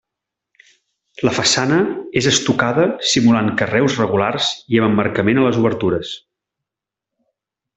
La façana és estucada simulant carreus regulars i amb emmarcament a les obertures.